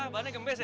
balenya gempes ya